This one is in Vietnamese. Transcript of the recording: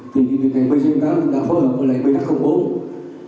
thì thì thằng pc tám chúng ta phối hợp với lại bh bốn để kiến nghị cho c tám